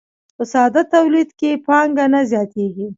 په ساده تولید کې پانګه نه زیاتېږي